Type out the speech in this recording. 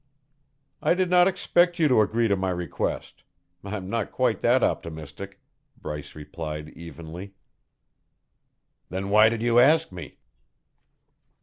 "I did not expect you to agree to my request. I am not quite that optimistic," Bryce replied evenly. "Then why did you ask me?"